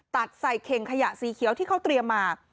ตัดใส่เข่งขยะสีเขียวที่เขาเตรียมมา